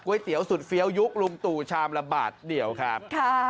เตี๋ยวสุดเฟี้ยวยุคลุงตู่ชามละบาทเดียวครับ